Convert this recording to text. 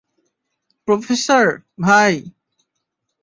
Professor, ভাই।